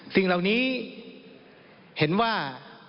สิ่งเหล่านี้เห็นว่า